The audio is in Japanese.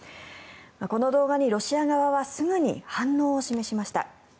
この動画にロシア側はすぐに反応を示しました。